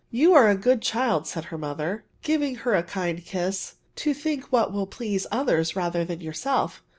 ' You are a good child/' said her mother, giving her a kind kiss, " to think what will please others rather than yourself.